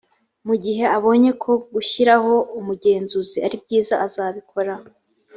mu gihe abonye ko gushyiraho umugenzuzi aribyiza azabikora